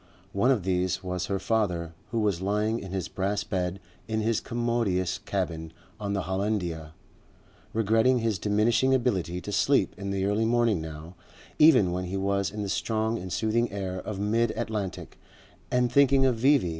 One of these was her father, who was lying in his brass bed in his commodious cabin on the Hollandia, regretting his diminishing ability to sleep in the early morning now, even when he was in the strong and soothing air of mid Atlantic, and thinking of V.V.